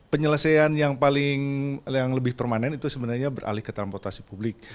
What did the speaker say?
penyelesaian yang paling yang lebih permanen itu sebenarnya beralih ke transportasi publik